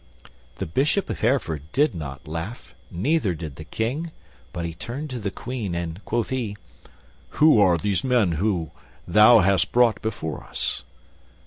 The Bishop of Hereford did not laugh, neither did the King, but he turned to the Queen, and quoth he, "Who are these men that thou hast brought before us?"